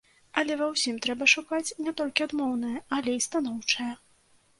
Але ва ўсім трэба шукаць не толькі адмоўнае, але і станоўчае.